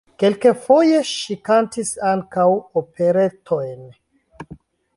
Kelkfoje ŝi kantis ankaŭ operetojn.